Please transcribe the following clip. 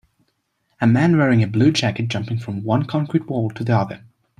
A man wearing a blue jacket jumping from one concrete wall to the other.